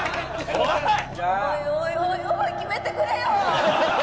おいおいおいおい決めてくれよ！